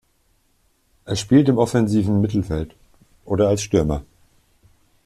Er spielt im offensiven Mittelfeld oder als Stürmer.